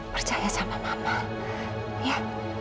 percaya sama mama ya